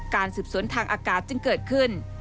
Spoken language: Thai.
การสืบสวนทางอากาศจึงเกิดขึ้น